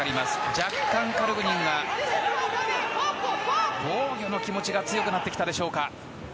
若干、カルグニンが防御の気持ちが強くなってきたでしょうか。